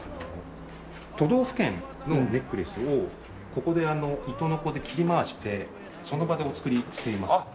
都道府県のネックレスをここで糸のこで切り回してその場でお作りしています。